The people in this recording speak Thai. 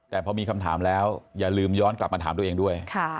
แต่พอมีคำถามแล้วอย่าลืมย้อนกลับมาถามตัวเองด้วย